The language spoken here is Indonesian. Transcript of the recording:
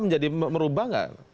menjadi merubah nggak